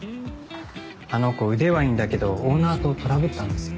あの子腕はいいんだけどオーナーとトラブったんですよ。